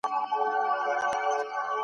اګوستين وايي چي دولت د مذهب خادم دی.